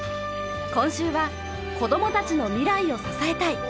今週は子どもたちの未来を支えたい！